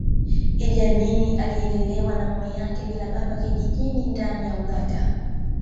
Iddi Amin alilelewa na mama yake bila baba kijijini ndani ya Uganda